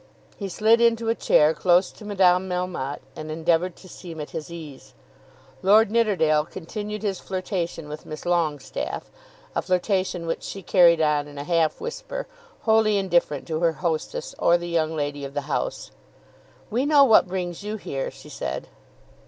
He slid into a chair close to Madame Melmotte, and endeavoured to seem at his ease. Lord Nidderdale continued his flirtation with Miss Longestaffe, a flirtation which she carried on in a half whisper, wholly indifferent to her hostess or the young lady of the house. "We know what brings you here," she said.